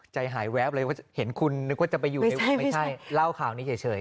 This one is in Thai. ใจหายแวบเลยว่าเห็นคุณนึกว่าจะไปอยู่ในวงไม่ใช่เล่าข่าวนี้เฉย